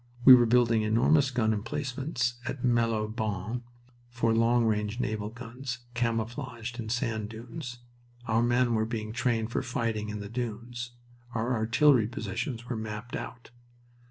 We were building enormous gun emplacements at Malo les Bains for long range naval guns, camouflaged in sand dunes. Our men were being trained for fighting in the dunes. Our artillery positions were mapped out.